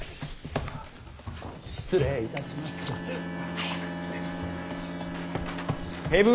失礼いたしました。